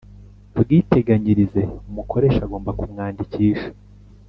Bwiteganyirize umukoresha agomba kumwandikisha